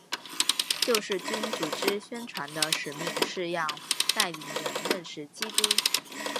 救世军组织宣传的使命是要带领人认识基督。